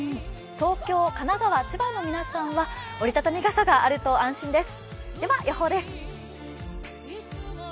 東京、神奈川、千葉の皆さんは折り畳み傘があると安心です。